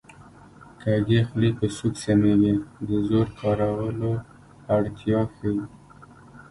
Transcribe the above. کږې خولې په سوک سمېږي د زور کارولو اړتیا ښيي